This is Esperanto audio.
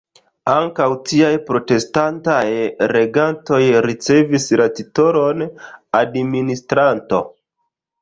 Ankaŭ tiaj protestantaj regantoj ricevis la titolon "administranto".